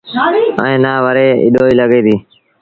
ائيٚݩ نا وري ايٚڏوئيٚ لڳي ديٚ۔